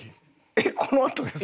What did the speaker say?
えっこのあとですか？